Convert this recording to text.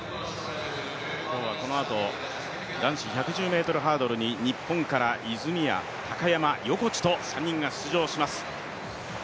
今日はこのあと、男子１１０ｍハードルに日本から泉谷、高山、横地と３人が出場します。